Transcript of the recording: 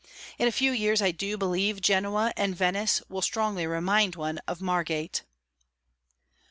In a few years, I do believe, Genoa and Venice will strongly remind one of Margate."